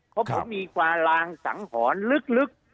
เพราะผมมีความลางสังหรณ์ลึก